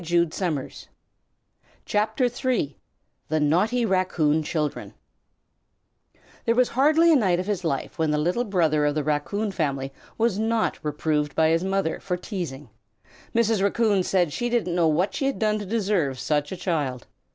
THE NAUGHTY RACCOON CHILDREN There was hardly a night of his life when the Little Brother of the Raccoon family was not reproved by his mother for teasing. Mrs. Raccoon said she didn't know what she had done to deserve such a child.